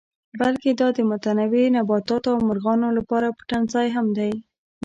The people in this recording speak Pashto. بلکې دا د متنوع نباتاتو او مارغانو لپاره پټنځای هم دی.